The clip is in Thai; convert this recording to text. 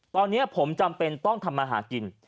ตอนนี้ผมจำเป็นต้องทำมาหากิน